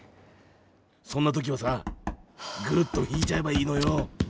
そんな時はさぐーっと引いちゃえばいいのよ。